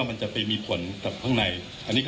คุณผู้ชมไปฟังผู้ว่ารัฐกาลจังหวัดเชียงรายแถลงตอนนี้ค่ะ